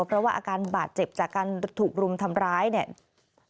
เพราะว่าอาการบาดเจ็บจากการถูกรุมทำร้ายเนี่ย